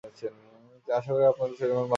আশা করি, আপনার শরীর মন ভাল আছে।